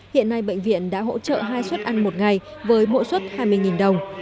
hiện nay bệnh viện đã hỗ trợ hai xuất ăn một ngày với mỗi xuất hai mươi đồng